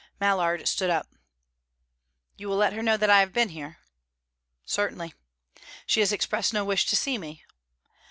Mallard stood up. "You will let her know that I have been here?" "Certainly." "She has expressed no wish to see me?"